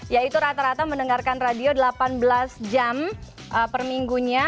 yaitu rata rata mendengarkan radio delapan belas jam per minggunya